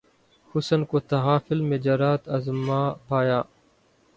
حسن کو تغافل میں جرأت آزما پایا